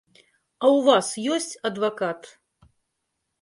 А ў вас ёсць адвакат?